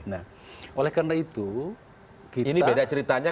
nah oleh karena itu kita